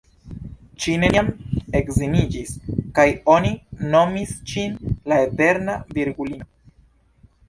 Ŝi neniam edziniĝis, kaj oni nomis ŝin "la Eterna Virgulino".